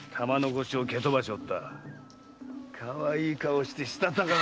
かわいい顔してしたたかな女よ。